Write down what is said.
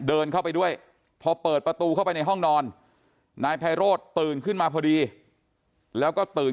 เดินเข้าไปด้วยพอเปิดประตูเข้าไปในห้องนอนนายไพโรธตื่นขึ้นมาพอดีแล้วก็ตื่น